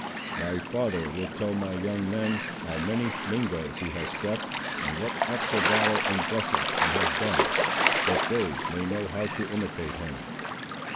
"My father will tell my young men, how many Mingoes he has struck, and what acts of valour and justice he has done, that they may know how to imitate him."